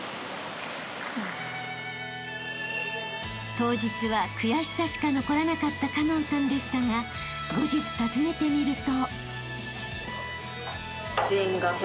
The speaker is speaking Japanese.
［当日は悔しさしか残らなかった花音さんでしたが後日訪ねてみると］